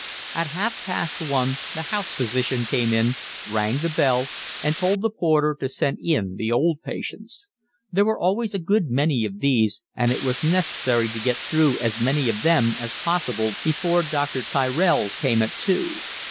At half past one the house physician came in, rang the bell, and told the porter to send in the old patients. There were always a good many of these, and it was necessary to get through as many of them as possible before Dr. Tyrell came at two.